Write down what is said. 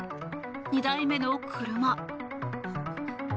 ２台目の車。